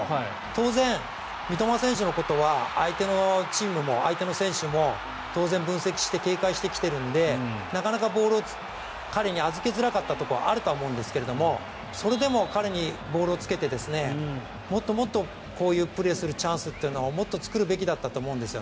当然、三笘選手のことは相手のチームも、相手の選手も当然分析して警戒してきているのでなかなかボールを彼に預けづらかったところはあると思うんですがそれでも彼にボールをつけてもっともっとこういうプレーをするチャンスというのをもっと作るべきだったと思うんです。